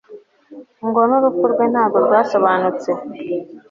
ngo n'urupfu rwe ntago rwasobanutse